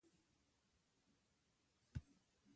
Put a jersey on!